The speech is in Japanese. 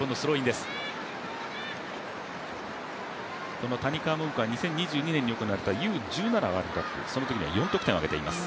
この谷川萌々子は２０１７年に行われたＵー１７ワールドカップのときは４得点を挙げています。